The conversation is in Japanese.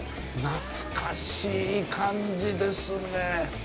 懐かしい感じですねえ。